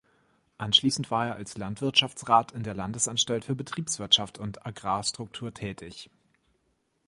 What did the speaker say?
Anschließend war er als Landwirtschaftsrat an der Landesanstalt für Betriebswirtschaft und Agrarstruktur tätig.